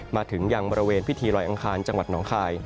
มาถึงยังบริเวณพิธีลอยอังคารจังหวัดหนองคาย